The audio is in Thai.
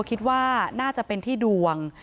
คิดว่าน่าจะเป็นที่ดวง